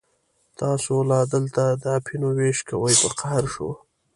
تاسې لا دلته د اپینو وېش کوئ، په قهر شو.